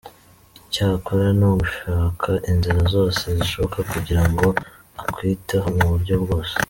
Icyo akora ni ugushaka inzira zose zishoboka kugira ngo akwiteho mu buryo bwose.